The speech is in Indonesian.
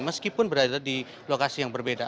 meskipun berada di lokasi yang berbeda